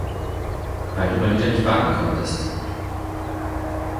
Weil du mal wieder nicht warten konntest.